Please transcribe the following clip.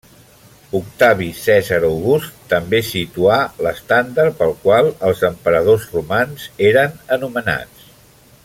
Octavi Cèsar August també situà l'estàndard pel qual els Emperadors Romans eren anomenats.